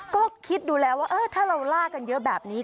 ก็คิดดูแล้วว่าถ้าเราล่ากันเยอะแบบนี้